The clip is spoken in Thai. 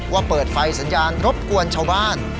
ว่าเปิดไฟสัญญาณรบกวนชาวบ้าน